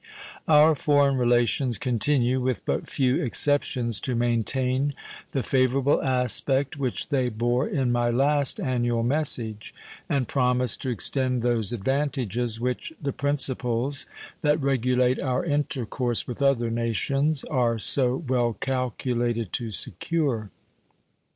Our foreign relations continue, with but few exceptions, to maintain the favorable aspect which they bore in my last annual message, and promise to extend those advantages which the principles that regulate our intercourse with other nations are so well calculated to secure.